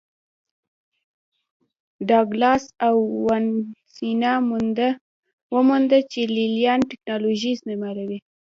ډاګلاس او وانسینا ومونده چې لې لیان ټکنالوژي استعملوي